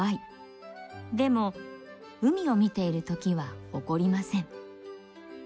でも海を見ているときは怒りません。